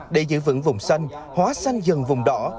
để giữ vững vùng xanh hóa xanh dần vùng đỏ